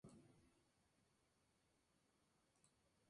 Ella era prominente en la sociedad.